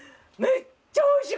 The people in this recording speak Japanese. めっちゃおいしい！